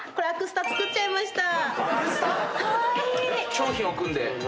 商品置くんで。